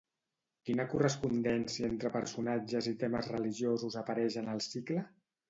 Quina correspondència entre personatges i temes religiosos apareix en el cicle?